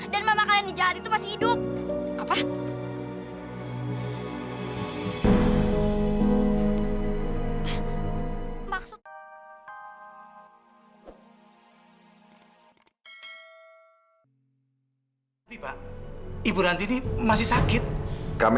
dan mama kalian jahat itu masih hidup